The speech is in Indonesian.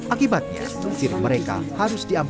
akibatnya sirip mereka harus diambil